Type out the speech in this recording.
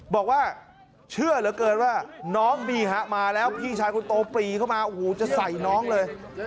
บอกว่าเชื่อเหลือเกินว่าน้องนี่ฮะมาแล้วพี่ชายคนโตปรีเข้ามาโอ้โหจะใส่น้องเลย